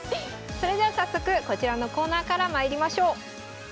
それでは早速こちらのコーナーからまいりましょう。